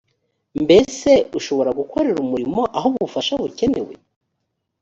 mbese ushobora gukorera umurimo aho ubufasha bukenewe